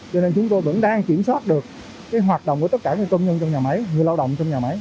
cho nên chúng tôi vẫn đang kiểm soát được hoạt động của tất cả công nhân trong nhà máy người lao động trong nhà máy